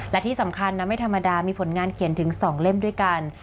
และที่สำคัญนะไม่ธรรมดามีผลงานเขียนถึง๒เล่มด้วยกัน